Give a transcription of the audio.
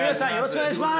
お願いします。